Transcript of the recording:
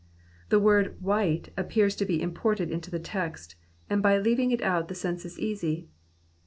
The word white appears to be imported into the text, and by leaving it out the sense is easy.